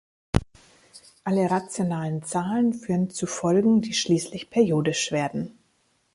Alle rationalen Zahlen führen zu Folgen, die schließlich periodisch werden.